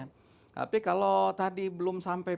tapi kalau tadi belum sampai pada titik kemampuan untuk memperbaiki